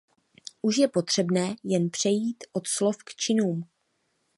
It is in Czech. Už je potřebné jen přejít od slov k činům.